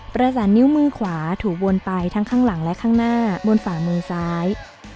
ประสานนิ้วมือขวาถูกวนไปทั้งข้างหลังและข้างหน้าบนฝ่ามือซ้าย